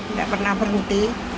nggak pernah berhenti